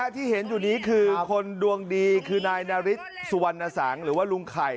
ที่เห็นอยู่นี้คือคนดวงดีคือนายนาริสสุวรรณสังหรือว่าลุงไข่